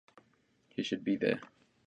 He should be here.